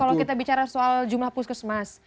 kalau kita bicara soal jumlah puskesmas